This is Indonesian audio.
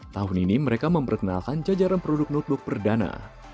tahun ini mereka memperkenalkan jajaran produk notebook perdana